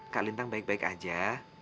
kak lintang baik baik aja